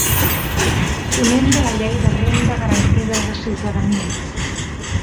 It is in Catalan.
Ponent de la Llei de Renda Garantida de Ciutadania.